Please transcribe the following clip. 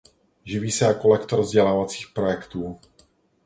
Živí se jako lektor vzdělávacích projektů.